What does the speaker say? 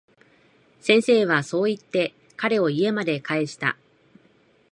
先生はそう言って、彼を家まで帰した。